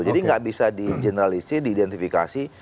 jadi tidak bisa dijeneralisir diidentifikasi